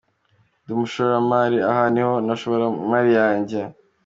Ndi umushoramari aha niho nashora imari yanjye.